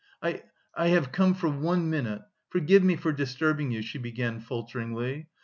"I... I... have come for one minute. Forgive me for disturbing you," she began falteringly.